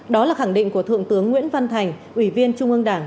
đó là khẳng định của thượng tướng nguyễn văn thành ủy viên trung ương đảng